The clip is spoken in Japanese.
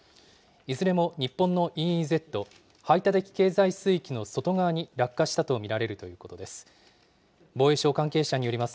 いずれも日本のＥＥＺ・排他的経済水域の外側に落下したと見られるということです。